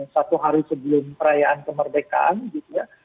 satu hari sebelum perayaan kemerdekaan gitu ya